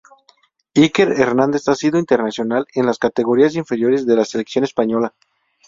Iker Hernández ha sido internacional en las categorías inferiores de la selección española.